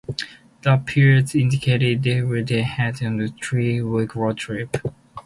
The papers indicated they were then headed on a three-week road trip.